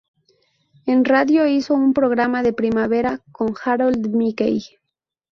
En Radio hizo un programa de primavera con Harold Mickey.